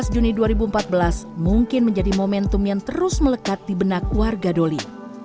dua belas juni dua ribu empat belas mungkin menjadi momentum yang terus melekat di benak warga doli